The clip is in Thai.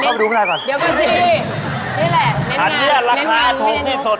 คุณโชนปกติชอบทานขนมปังไหมคะ